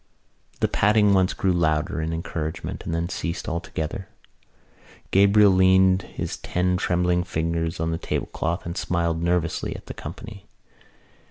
The patting at once grew louder in encouragement and then ceased altogether. Gabriel leaned his ten trembling fingers on the tablecloth and smiled nervously at the company.